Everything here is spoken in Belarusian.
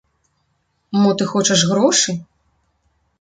Мо ты хочаш грошы?